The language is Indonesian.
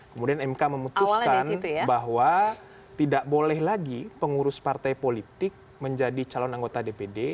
kemudian mk memutuskan bahwa tidak boleh lagi pengurus partai politik menjadi calon anggota dpd